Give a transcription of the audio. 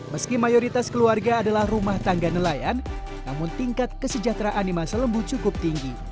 meski mayoritas keluarga adalah rumah tangga nelayan namun tingkat kesejahteraan di masa lembu cukup tinggi